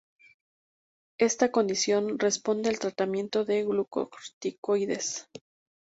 Esta condición responde al tratamiento de glucocorticoides.